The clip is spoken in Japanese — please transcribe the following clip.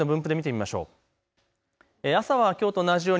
天気の分布で見ていきましょう。